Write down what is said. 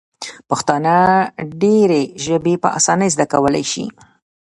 پښتانه ډیري ژبي په اسانۍ زده کولای سي.